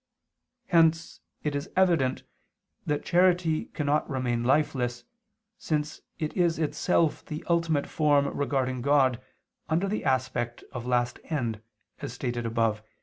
Hence it is evident that charity cannot remain lifeless, since it is itself the ultimate form regarding God under the aspect of last end as stated above (Q.